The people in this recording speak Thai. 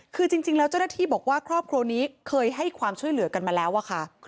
คือจริงแล้วเจ้าหน้าที่บอกว่าครอบครัวนี้เคยให้ความช่วยเหลือกันมาแล้วอะค่ะ